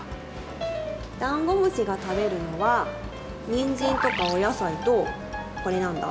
ダンゴムシが食べるのはニンジンとかお野菜とこれ何だ？